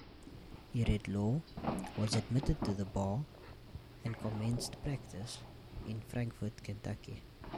He read law, was admitted to the bar, and commenced practice in Frankfort, Kentucky.